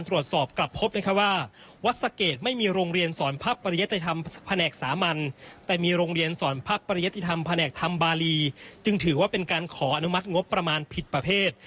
วัดศาเกรดไม่มีโรงเรียนศรพประเยตธรรมภแนกสามรรณแต่มีโรงเรียนศรพประเยตธรรมภแนกธรรมบาลีจึงถือว่าเป็นการขออนุมัติงบประมาณผิดประเมธ